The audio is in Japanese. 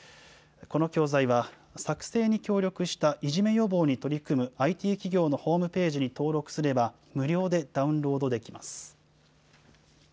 この教材は、作成に協力したいじめ予防に取り組むＩＴ企業のホームページに登録すれば無料でダウンロードできます。